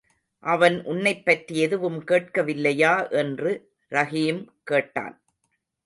அவன் உன்னைப்பற்றி எதுவும் கேட்கவில்லையா என்று ரஹீம் கேட்டான்.